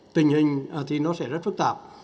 tình hình thì nó sẽ rất phức tạp